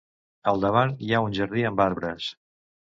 Al davant hi ha un jardí amb arbres.